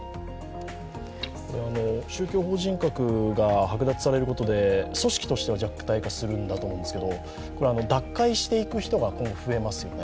宗教法人格が剥奪されることで組織としては弱体化するんだと思うんですけど脱会していく人が今度増えますよね。